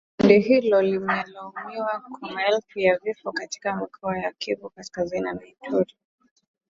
Kundi hilo limelaumiwa kwa maelfu ya vifo katika mikoa ya Kivu Kaskazini na Ituri